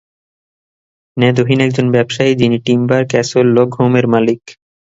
নেদোহিন একজন ব্যবসায়ী যিনি টিম্বার ক্যাসল লগ হোমের মালিক।